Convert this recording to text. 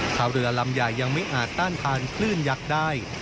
ชาวเรือลำใหญ่ยังไม่อาจต้านทานคลื่นยักษ์ได้